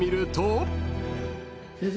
・先生